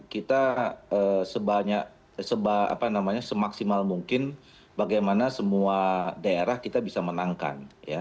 kita sebanyak semaksimal mungkin bagaimana semua daerah kita bisa menangkan